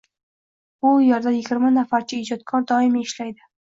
Bu yerda yigirma nafarcha ijodkor doimiy ishlaydi.